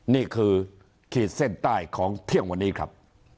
นี่คือขีดเส้นใต้ของเที่ยงวันนี้ครับ